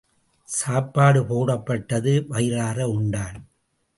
சாப்பாடு போடப்பட்டது வயிறார உண்டான்.